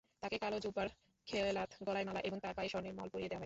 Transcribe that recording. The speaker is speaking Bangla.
তাঁকে কালো জুব্বার খেলাত গলায় মালা এবং তার পায়ে স্বর্ণের মল পরিয়ে দেয়া হয়।